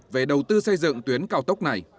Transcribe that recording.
về đầu tư xây dựng tuyến cao tốc này